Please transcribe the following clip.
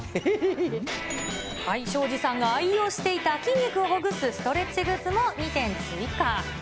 庄司さんが愛用していた、筋肉をほぐすストレッチグッズも２点追加。